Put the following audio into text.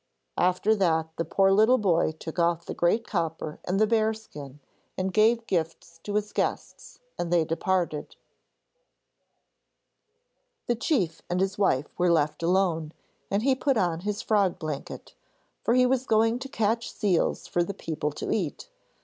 After that the poor little boy took off the great copper and the bear skin, and gave gifts to his guests, and they departed. The chief and his wife were left alone and he put on his frog blanket, for he was going to catch seals for the people to eat.